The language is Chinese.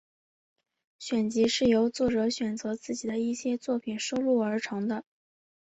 选集是由作者选择自己的一些作品收录而成的。